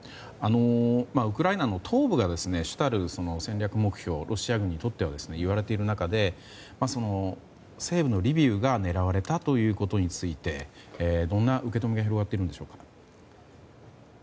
ウクライナの東部が主たる戦略目標だとロシア軍にとってはそういわれている中で西部のリビウが狙われたことについてどんな受け止めが広がっているんでしょうか。